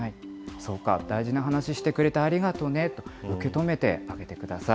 そうか、大事な話してくれてありがとうねと受け止めてあげてください。